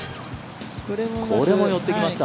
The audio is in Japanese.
これも寄ってきました。